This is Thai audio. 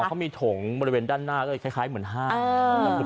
เขามีถงบริเวณด้านหน้าก็เลยคล้ายเหมือนห้าง